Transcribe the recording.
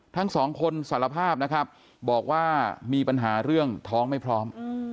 ทั้งสองคนสารภาพนะครับบอกว่ามีปัญหาเรื่องท้องไม่พร้อม